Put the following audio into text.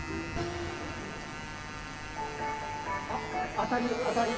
当たり当たり。